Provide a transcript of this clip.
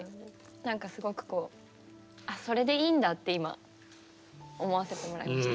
何かすごくあっそれでいいんだって今思わせてもらいました。